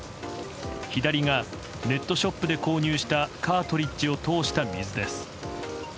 左がネットショップで購入したカートリッジを通した水です。